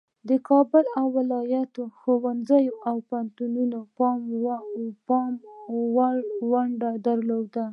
د کابل او ولایاتو ښوونځیو او پوهنتونونو پام وړ ونډه درلوده.